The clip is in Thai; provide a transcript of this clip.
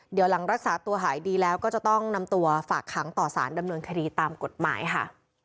เดี๋ยวหลังรักษาตัวหายดีแล้วก็จะต้องนำตัวฝากขังต่อสารดำเนินคดีตามกฎหมายค่ะ